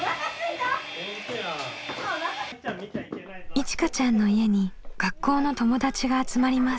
いちかちゃんの家に学校の友達が集まります。